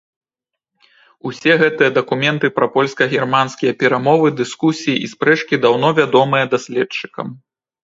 Усе гэтыя дакументы пра польска-германскія перамовы, дыскусіі і спрэчкі даўно вядомыя даследчыкам.